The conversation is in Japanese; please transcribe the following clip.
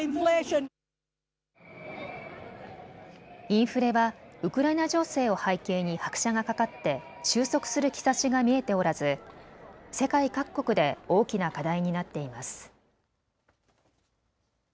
インフレはウクライナ情勢を背景に拍車がかかって収束する兆しが見えておらず世界各国で大きな課題になっています。